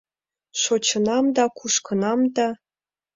Шочынам да кушкынам да -